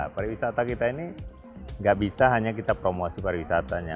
pariwisata kita ini nggak bisa hanya kita promosi pariwisatanya